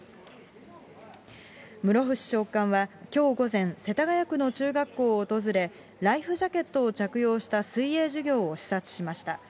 室伏長官はきょう午前、世田谷区の中学校を訪れ、ライフジャケットを着用した水泳授業を視察しました。